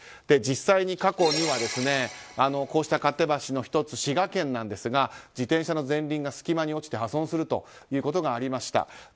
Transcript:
実際に過去にはこうした勝手橋の１つ滋賀県ですが自転車の前輪が隙間に落ちて破損するということがありました。